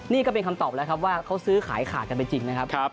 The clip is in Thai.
นี่ก็เป็นคำตอบแล้วครับว่าเขาซื้อขายขาดกันไปจริงนะครับ